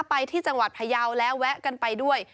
ไปที่จังหวัดพยาวแล้วแวะกันไปด้วย